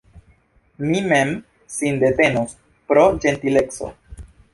Mi mem sindetenos – pro ĝentileco.